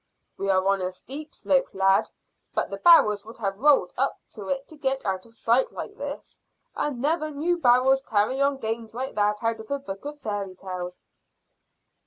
"We are on a steep slope, lad, but the barrels would have to roll up it to get out of sight like this, and I never knew barrels carry on games like that out of a book of fairy tales."